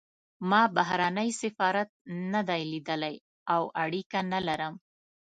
ما بهرنی سفارت نه دی لیدلی او اړیکه نه لرم.